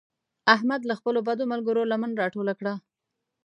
احمد له خپلو بدو ملګرو لمن راټوله کړه.